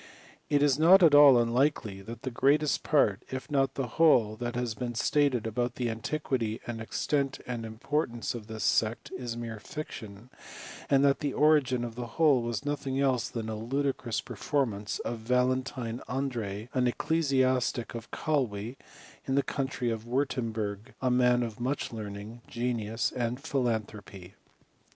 It is not at all unlikely that the greatest part, if not the whole that has been stated about the antiquity, and extent, and importance of this sect, is mere fiction, and that the origin of the whole was nothing else than a ludicrous performance of Valentine Andreae, an ecclesiastic of Calwe, in the country of Wirtemburg, a man of much learning, genius, and philanthropy.